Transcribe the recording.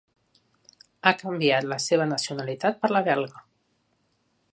Ha canviat la seva nacionalitat per la belga.